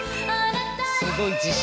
すごい自信。